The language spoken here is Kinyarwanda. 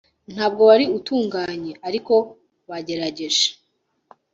ntabwo wari utunganye, ariko wagerageje.